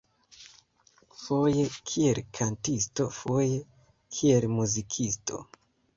Foje kiel kantisto foje kiel muzikisto.